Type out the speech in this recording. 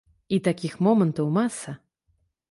І такіх момантаў маса.